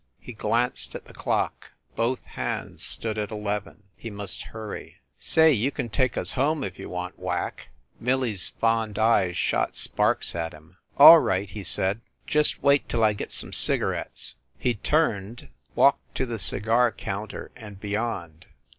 He glanced at the clock. Both hands stood at eleven. He must hurry. "Say, you can take us home, if you want, Whack !" Millie s fond eyes shot sparks at him, i86 FIND THE WOMAN "All right," he said, "just wait till I get some cigarettes." He turned, walked to the cigar counter and be yond.